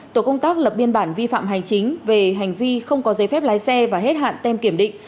tổ công tác lập biên bản vi phạm hành chính về hành vi không có giấy phép lái xe và hết hạn tem kiểm định